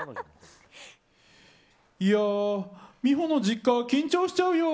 いやー、ミホの実家緊張しちゃうよ！